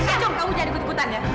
kacung kamu jangan ikut ikutan ya